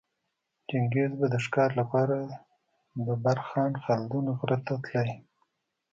چنګیز به د ښکاره لپاره د برخان خلدون غره ته تلی